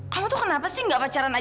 kamu ngapain kesini